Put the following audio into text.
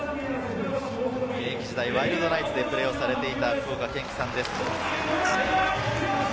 現役時代、ワイルドナイツでプレーされていた福岡堅樹さんです。